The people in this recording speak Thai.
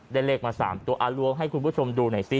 เลขมา๓ตัวล้วงให้คุณผู้ชมดูหน่อยซิ